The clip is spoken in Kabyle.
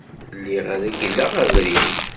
Lliɣ reggleɣ abrid.